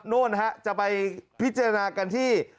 นู่นฮะจะไปพิจารณากันที่